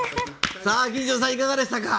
金城さん、いかがでしたか。